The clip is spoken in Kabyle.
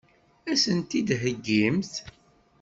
Ad sen-t-id-theggimt?